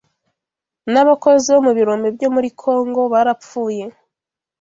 n’abakozi bo mu birombe byo muri Congo barapfuye